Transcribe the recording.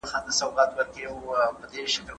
د باور له لاسه ورکول څه تاوان لري؟